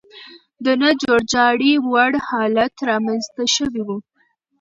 د نه جوړجاړي وړ حالت رامنځته شوی و.